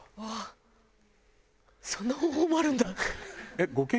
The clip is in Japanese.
うわそんな方法もあるんだ。